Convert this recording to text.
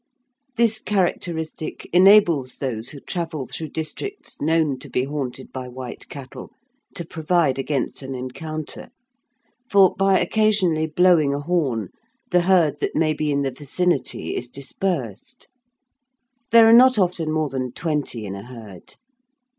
This characteristic enables those who travel through districts known to be haunted by white cattle to provide against an encounter, for, by occasionally blowing a horn, the herd that may be in the vicinity is dispersed. There are not often more than twenty in a herd.